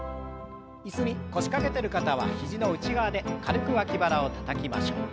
椅子に腰掛けてる方は肘の内側で軽く脇腹をたたきましょう。